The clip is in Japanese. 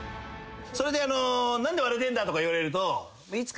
それであの「何で割れてんだ」とか言われると。